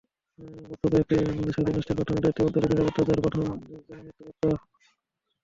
বস্তুত, একটি স্বাধীন রাষ্ট্রের প্রাথমিক দায়িত্বই অভ্যন্তরীণ নিরাপত্তা, যার প্রধান জননিরাপত্তা।